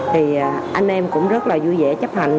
thì anh em cũng rất là vui vẻ chấp hành